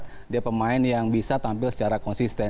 dia adalah pemain yang bisa tampil secara konsisten